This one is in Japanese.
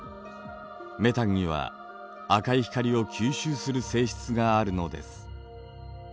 メタンには赤い光を吸収する性質があるのです。